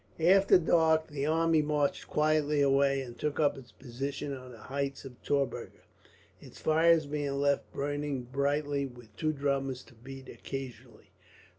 After dark the army marched quietly away, and took up its position on the heights of Torberger, its fires being left burning brightly, with two drummers to beat occasionally.